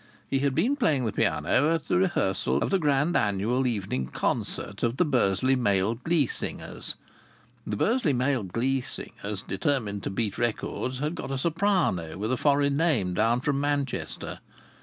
He had been playing the piano at the rehearsal of the Grand Annual Evening Concert of the Bursley Male Glee Singers. The Bursley Male Glee Singers, determined to beat records, had got a soprano with a foreign name down from Manchester.